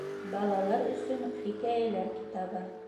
Балалар өсөн хикәйәләр китабы